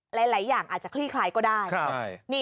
หลายอย่างอาจจะคลี่คลายก็ได้